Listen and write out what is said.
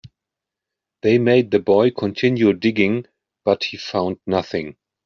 They made the boy continue digging, but he found nothing.